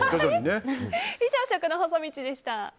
以上、食の細道でした。